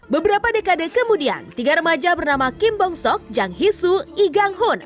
beberapa dekade kemudian tiga remaja bernama kim bong sok jang hee soo lee gang hun